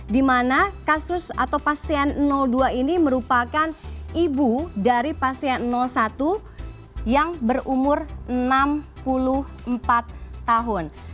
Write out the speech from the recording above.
di mana kasus atau pasien dua ini merupakan ibu dari pasien satu yang berumur enam puluh empat tahun